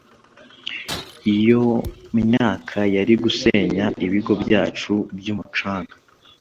iyo myaka yari gusenya ibigo byacu byumucanga